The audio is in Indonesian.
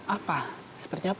apa seperti apa